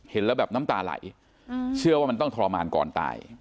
แล้วแบบน้ำตาไหลเชื่อว่ามันต้องทรมานก่อนตาย